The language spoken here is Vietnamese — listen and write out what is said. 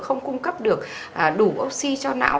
không cung cấp được đủ oxy cho não